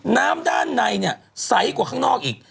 น้ำด้านในเนี่ยใสกว่าข้างนอกอีก